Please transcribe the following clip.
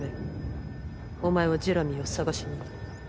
お前はジェラミーを捜しに行け。